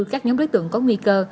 các nhóm đối tượng có nguy cơ